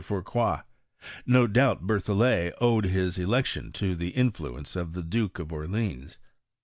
Fourcroy. No doubt Berthollet owed his elec tion to the influence of the Duke of Orleans.